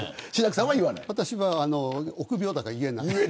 私は臆病だから言えない。